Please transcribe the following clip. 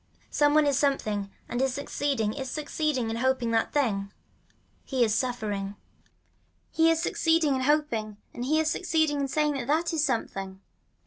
Some one is something and is succeeding is succeeding in hoping that thing. He is suffering. He is succeeding in hoping and he is succeeding in saying that that is something.